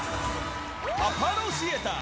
アポロシアター